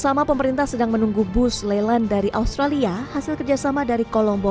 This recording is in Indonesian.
sama pemerintah sedang menunggu bus layland dari australia hasil kerjasama dari kolombo